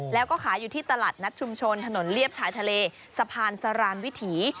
แล้วก็ขายอยู่ที่ตลาดนัดชุมชนถนนเลียบชายทะเลสะพานสรานวิถี